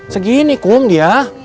segini kum dia